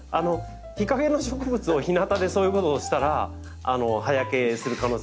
日陰の植物を日なたでそういうことをしたら葉焼けする可能性はあります。